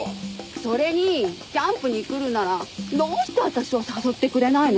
それにキャンプに来るならどうして私を誘ってくれないの？